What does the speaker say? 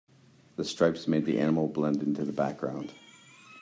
The stripes made the animal blend into the background,